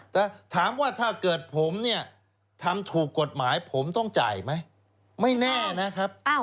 แต่ถามว่าถ้าเกิดผมเนี่ยทำถูกกฎหมายผมต้องจ่ายไหมไม่แน่นะครับ